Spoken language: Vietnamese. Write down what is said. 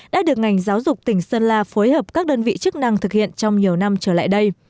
đã được ngành giáo dục tỉnh sơn la phối hợp các đơn vị chức năng thực hiện trong nhiều năm trở lại đây